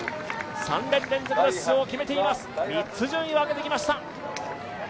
３年連続の出場を決めています、３つ順位を上げてきました。